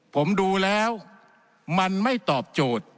ผมดูแล้วมันไม่ตอบโจทย์